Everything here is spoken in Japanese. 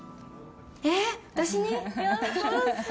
えっ、私に！？